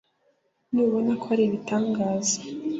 ntubona ko ari ibitangaza